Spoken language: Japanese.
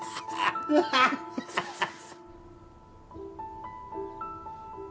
ハハハハ。